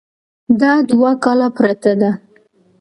دا دوه کاله پرته ده.